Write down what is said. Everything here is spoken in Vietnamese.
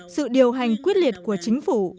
sự điều hành quyết liệt của chính phủ